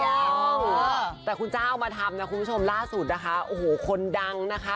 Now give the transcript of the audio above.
ถูกต้องแต่คุณเจ้าเอามาทำนะคุณผู้ชมล่าสุดนะคะโอ้โหคนดังนะคะ